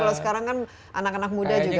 kalau sekarang kan anak anak muda juga minum kopi